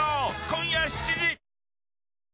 今夜７時。